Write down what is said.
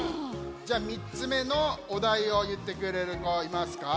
じゃあ３つめのおだいをいってくれるこいますか？